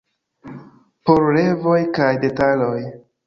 Por revoj kaj detaloj.